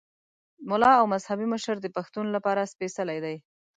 ملا او مذهبي مشر د پښتون لپاره سپېڅلی دی.